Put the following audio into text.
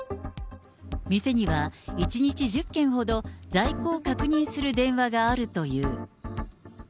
店には、１日１０件ほど、在庫を確認する電話があるという。